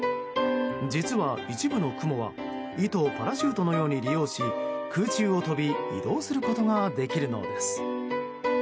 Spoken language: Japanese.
実は、一部のクモは糸をパラシュートのように利用し空中を飛び移動することができるのです。